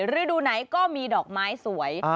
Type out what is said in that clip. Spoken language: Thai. ฤดูไหนก็มีดอกไม้สวย